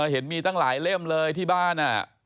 เห็นมีตั้งหลายเล่มเลยที่บ้าน